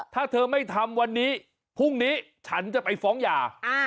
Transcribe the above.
ถ้าเธอไม่ทำวันนี้พรุ่งนี้ฉันจะไปฟ้องหย่า